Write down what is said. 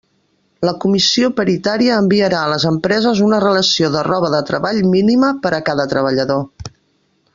La Comissió paritària enviarà a les empreses una relació de roba de treball mínima per a cada treballador.